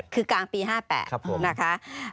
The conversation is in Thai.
คือกลางปี๕๘นะคะ